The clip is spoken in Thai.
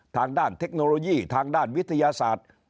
ทางด้านเทคโนโลยีทางด้านวิทยาศาสตร์